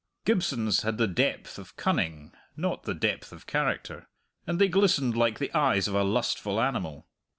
Gibson's had the depth of cunning, not the depth of character, and they glistened like the eyes of a lustful animal.